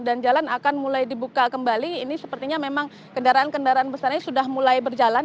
jalan akan mulai dibuka kembali ini sepertinya memang kendaraan kendaraan besar ini sudah mulai berjalan